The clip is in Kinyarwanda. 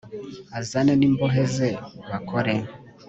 azane n imbohe ze bakore